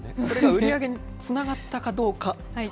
それが売り上げにつながったかどうか。